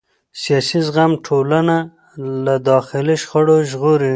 سیاسي زغم ټولنه له داخلي شخړو ژغوري